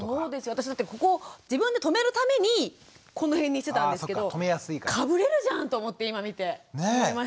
私なんて自分で留めるためにこの辺にしてたんですけどかぶれるじゃんと思って今見て思いました。